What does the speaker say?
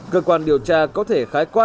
cơ quan điều tra có thể